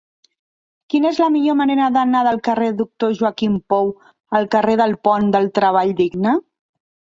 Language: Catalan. Quina és la millor manera d'anar del carrer del Doctor Joaquim Pou al carrer del Pont del Treball Digne?